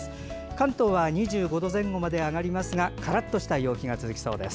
関東は２５度前後まで上がりますがカラッとした陽気が続きそうです。